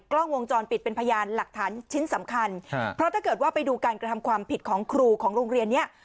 กล้องวงจรปิดเป็นพยานหลักฐานชิ้นสำคัญเพราะถ้าเกิดว่าไปดูการกระทำความผิดของครูของโรงเรียนเนี้ย